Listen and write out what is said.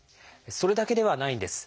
それだけではないんです。